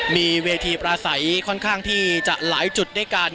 มีเวทีประสัยค่อนข้างที่จะหลายจุดด้วยกัน